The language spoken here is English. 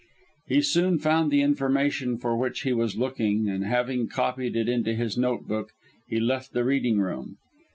He soon found the information for which he was looking, and having copied it into his notebook, he left the reading room.